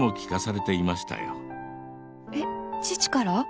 えっ父から。